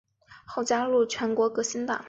后加入全国革新党。